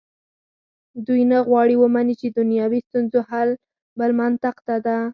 دوی نه غواړي ومني چې دنیوي ستونزو حل بل منطق ته ده.